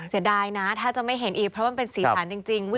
เสียดายนะถ้าจะไม่เห็นอีกเพราะมันเป็นสีสันจริง